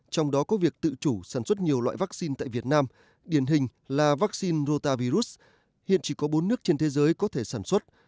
trong đó có việc tự chủ sản xuất nhiều loại vaccine tại việt nam điển hình là vaccine rota virus hiện chỉ có bốn nước trên thế giới có thể sản xuất